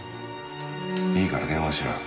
いいから電話しろよ。